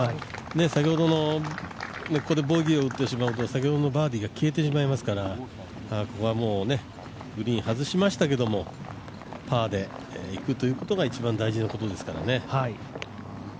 先ほどのここでボギーを打ってしまうと先ほどのバーディーが消えてしまいますから、ここはグリーン外しましたけども、パーでいくということが一番大事なことですからね。